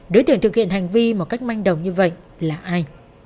đối tượng thực hiện hành vi một cách manh đồng như vậy là ai